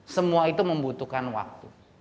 semua itu membutuhkan waktu